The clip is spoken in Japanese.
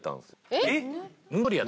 えっ！？